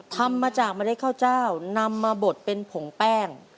ทำมาจากเมล็ดข้าวเจ้านำมาบดเป็นผงแป้ง